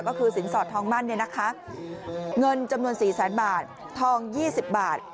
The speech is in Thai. ก็คือสินศอดทองมั่นเลยนะคะเงินจำนวนสี่แสนบาททองยี่สิบบาท